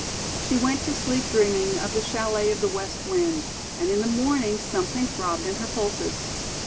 She went to sleep dreaming of the "Chalet of the West Wind," and in the morning something throbbed in her pulses.